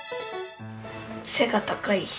背が高い人？